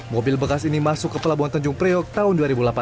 mobil bekas ini masuk ke pelabuhan tanjung priok tahun dua ribu delapan belas